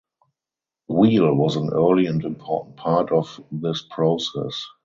Wheal was an early and important part of this process.